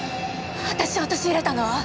私を陥れたのは。